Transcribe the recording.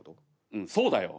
うんそうだよ。